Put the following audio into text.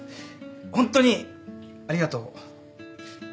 ホントにありがとう。